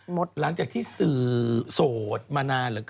หมดหลังจากที่สูดมานานเหรอเกิน